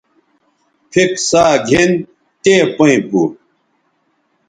پِھک ساگِھن تے پئیں پو